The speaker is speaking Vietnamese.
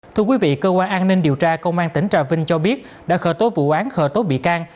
thưa quý vị cơ quan an ninh điều tra công an tỉnh trà vinh cho biết đã khởi tố vụ án khởi tố bị can